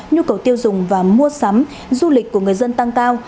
nhu cầu tiêu dùng và mua sắm du lịch của người dân tăng cao